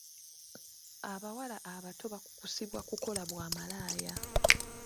Abawala abato bakukusibwa kukola bwa malaaya.